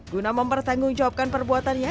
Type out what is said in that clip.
guna mempertanggungjawabkan perbuatannya